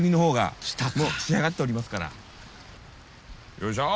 よいしょ！